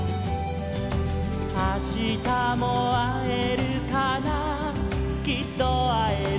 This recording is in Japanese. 「あしたもあえるかなきっとあえる」